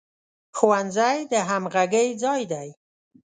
ښوونځی د همغږۍ ځای دی